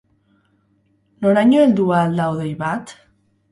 Noraino heldu ahal da hodei bat?